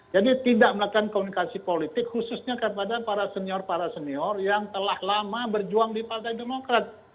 jadi tidak melakukan komunikasi politik khususnya kepada para senior senior yang telah lama berjuang di partai demokrat